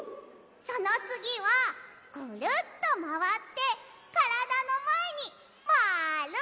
そのつぎはぐるっとまわってからだのまえにまる！